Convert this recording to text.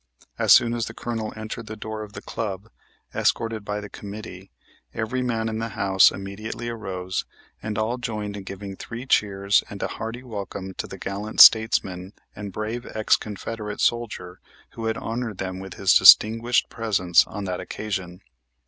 As soon as the Colonel entered the door of the club, escorted by the committee, every man in the house immediately arose and all joined in giving three cheers and a hearty welcome to the gallant statesman and brave ex Confederate soldier who had honored them with his distinguished presence on that occasion.